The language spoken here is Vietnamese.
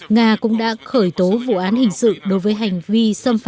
nga cũng đã khởi tố vụ án hình sự đối với hành vi